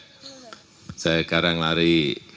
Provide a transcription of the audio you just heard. saya sekarang lari